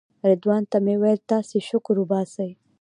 رضوان ته مې ویل تاسې شکر وباسئ.